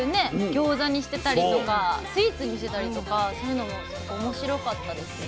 ギョーザにしてたりとかスイーツにしてたりとかそういうのも面白かったですね。